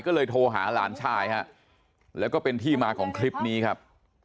ก็เลยโทรหาหลานชายฮะแล้วก็เป็นที่มาของคลิปนี้ครับ